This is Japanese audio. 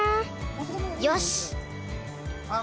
よし。